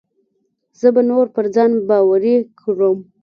زه به نور پر ځان باوري کړم.